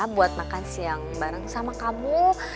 buat makan siang bareng sama kamu